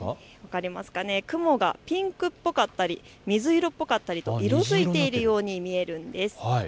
雲がピンクっぽかったり水色っぽかったり、色づいているように見えるんです。